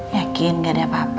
yakin gak ada apa apa